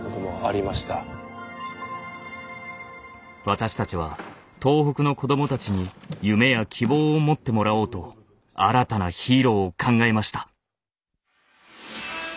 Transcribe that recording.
私たちは東北の子どもたちに夢や希望を持ってもらおうと新たなヒーローを考えました。